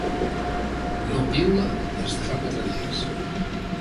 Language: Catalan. No piula des de fa quatre dies.